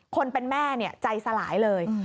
คนเป็นแม่ใจสลายเลย